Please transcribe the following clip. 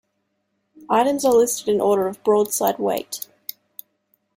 Items are listed in order of broadside weight.